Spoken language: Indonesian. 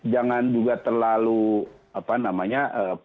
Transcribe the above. jangan juga terlalu apa namanya